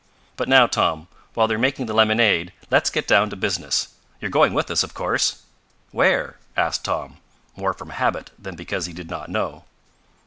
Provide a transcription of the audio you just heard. "But now, Tom, while they're making the lemonade, let's get down to business. You're going with us, of course!" "Where?" asked Tom, more from habit than because he did not know.